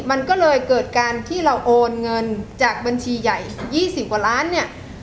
มันก็เลยเกิดการที่เราโอนเงินจากบัญชีใหญ่๒๐กว่าล้านเนี่ย